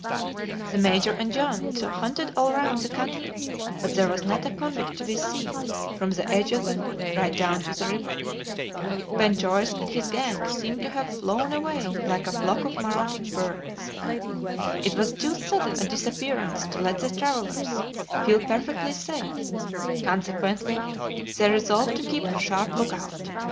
The Major and John hunted all round the country, but there was not a convict to be seen from the edge of the wood right down to the river. Ben Joyce and his gang seemed to have flown away like a flock of marauding birds. It was too sudden a disappearance to let the travelers feel perfectly safe; consequently they resolved to keep a sharp lookout.